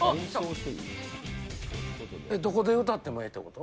どこで歌ってもええってこと？